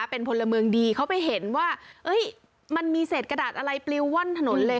เป็นพลเมืองดีเขาไปเห็นว่ามันมีเศษกระดาษอะไรปลิวว่อนถนนเลย